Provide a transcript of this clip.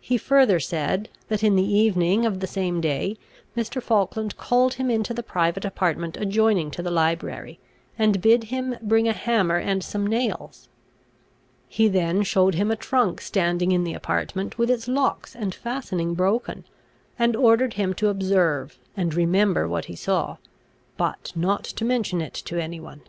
He further said, that in the evening of the same day Mr. Falkland called him into the private apartment adjoining to the library, and bid him bring a hammer and some nails. He then showed him a trunk standing in the apartment with its locks and fastening broken, and ordered him to observe and remember what he saw, but not to mention it to any one.